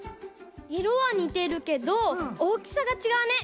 いろはにてるけどおおきさがちがうね。